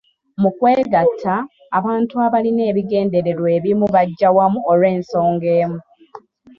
Mu kwegatta, abantu abalina ebigendererwa ebimu bajja wamu olw'ensonga emu.